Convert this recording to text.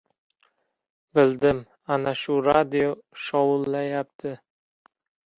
Bildim, ana shu radio shovullayapti!